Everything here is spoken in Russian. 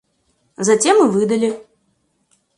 Затем и выдали.